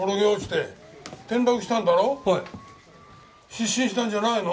失神したんじゃないの？